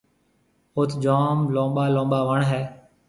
اوٿ جوم لُمٻا لُمٻا وڻ هيَ۔